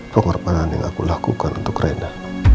pengorbanan yang aku lakukan untuk reda